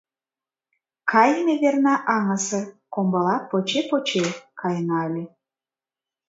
Кайыме верна аҥысыр — комбыла поче-поче каена ыле.